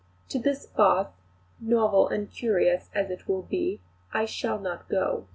To this farce, novel and curious as it will be, I shall not go.